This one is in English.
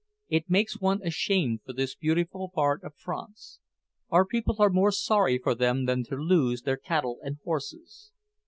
It makes one ashamed for this beautiful part of France. Our people are more sorry for them than to lose their cattle and horses."